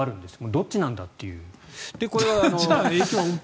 どっちなんだという。